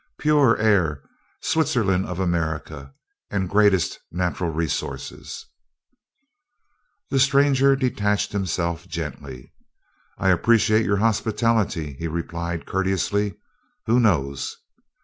Pure air, Swizzerland of America, an' greatest natural resources " The stranger detached himself gently. "I appreciate your hospitality," he replied courteously. "Who knows?"